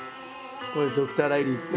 これドクター・ライリーっていう。